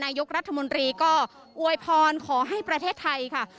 นายกรัฐมนตรีก็อวยพรขอให้ประเทศไทยค่ะ